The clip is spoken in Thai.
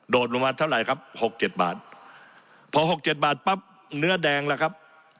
ลงมาเท่าไหร่ครับหกเจ็ดบาทพอหกเจ็ดบาทปั๊บเนื้อแดงล่ะครับ